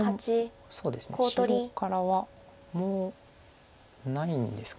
白からはもうないんですか。